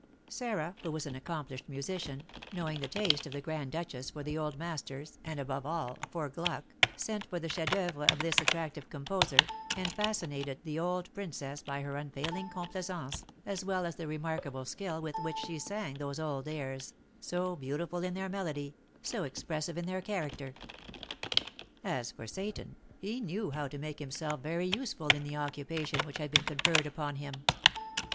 Sarah, who was an accomplished musician, knowing the taste of the Grand Duchess for the old masters, and, above all, for Gluck, sent for the chef d'oeuvre of this attractive composer, and fascinated the old princess by her unfailing complaisance, as well as the remarkable skill with which she sang those old airs, so beautiful in their melody, so expressive in their character. As for Seyton, he knew how to make himself very useful in the occupation which had been conferred upon him.